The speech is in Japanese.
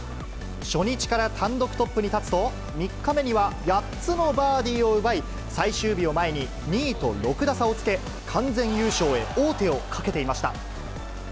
初日から単独トップに立つと、３日目には８つのバーディーを奪い、最終日を前に２位と６打差をつけ、完全優勝へ王手をかけていました。